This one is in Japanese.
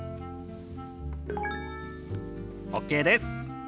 ＯＫです。